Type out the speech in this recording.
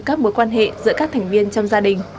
các mối quan hệ giữa các thành viên trong gia đình